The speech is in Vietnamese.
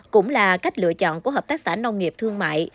cũng là cách lựa chọn của hợp tác xã nông nghiệp thương mại